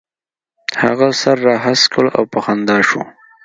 هغه سر را هسک کړ او په خندا شو.